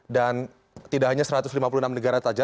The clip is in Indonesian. dan tidak hanya satu ratus lima puluh enam negara saja